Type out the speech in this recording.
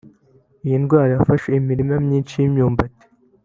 Iyi ndwara yafashe imirima myishi y’imyumbati